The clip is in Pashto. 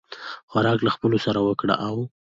خوراک له خپلو سره وکړه او